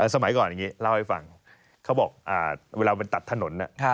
สมัยก่อนอย่างนี้เล่าให้ฟังเขาบอกเวลามันตัดถนน